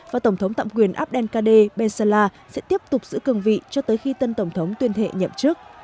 và tổng thống tạm quyền abdelkader ben salah sẽ tiếp tục giữ cường vị cho tới khi tân tổng thống tuyên thệ nhậm chức